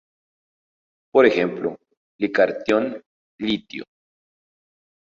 Por ejemplo, Li catión litio.